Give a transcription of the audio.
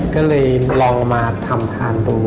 ก็เลยลองมาทำทานดู